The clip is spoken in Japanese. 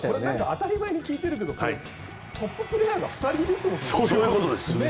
当たり前に聞いてるけどトッププレーヤーが２人いるということですよね。